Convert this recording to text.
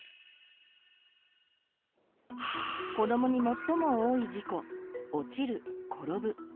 子どもに最も多い事故「落ちる」「転ぶ」。